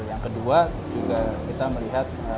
yang kedua juga kita melihat